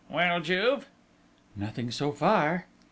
"Well, Juve?" "Nothing, so far...."